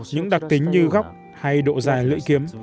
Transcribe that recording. những đặc tính như góc hay độ dài lưỡi kiếm